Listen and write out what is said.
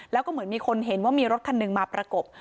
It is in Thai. แล้วก็เหมือนมีคนเห็นว่ามีรถคันหนึ่งมาประกบ